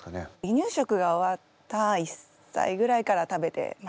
離乳食が終わった１歳ぐらいから食べてます。